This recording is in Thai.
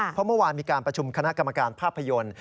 เพราะเมื่อวานมีการประชุมคณะกรรมการภาพยนตร์